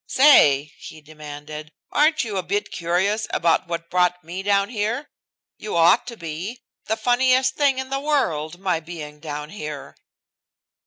"Say!" he demanded, "aren't you a bit curious about what brought me down here? You ought to be. The funniest thing in the world, my being down here."